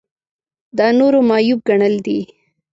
دا نورو معیوب ګڼل دي.